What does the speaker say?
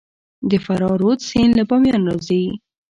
د فراه رود سیند له بامیان راځي